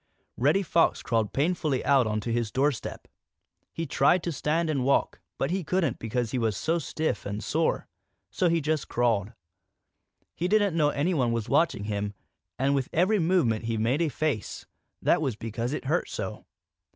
Reddy Fox crawled painfully out onto his doorstep. He tried to stand and walk, but he couldn't because he was too stiff and sore. So he just crawled. He didn't know that anyone was watching him, and with every movement he made a face. That was because it hurt so.